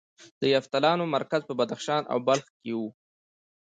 د یفتلیانو مرکز په بدخشان او بلخ کې و